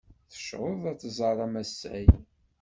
Tecreḍ ad tẓer amasay.